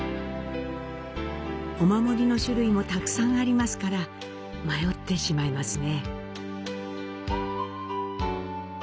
お守りの種類もたくさんありますから、迷ってしまいますね。